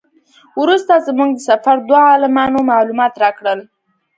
وروسته زموږ د سفر دوو عالمانو معلومات راکړل.